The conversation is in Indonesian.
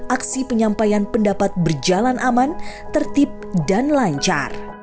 aksi penyampaian pendapat berjalan aman tertib dan lancar